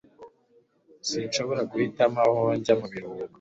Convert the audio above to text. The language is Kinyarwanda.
Sinshobora guhitamo aho njya mubiruhuko.